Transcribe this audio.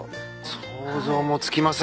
想像もつきません。